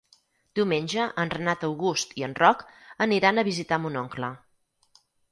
Diumenge en Renat August i en Roc aniran a visitar mon oncle.